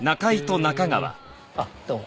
えーあっどうも。